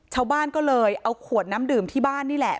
ชาวบ้านก็เลยเอาขวดน้ำดื่มที่บ้านนี่แหละ